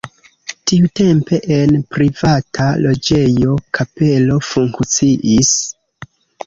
Tiutempe en privata loĝejo kapelo funkciis.